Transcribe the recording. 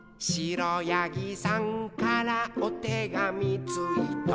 「くろやぎさんからおてがみついた」